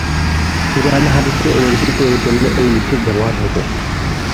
কুরআন, হাদিসের অনুলিপি তৈরীর জন্য এই লিপির ব্যবহার হত।